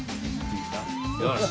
よし！